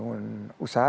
saya bangun usaha